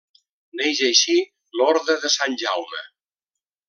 Neix així l'Orde de Sant Jaume.